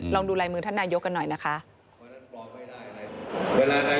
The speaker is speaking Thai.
ลองดูลายมือท่านนายกรัฐมนตรีกันหน่อยนะคะ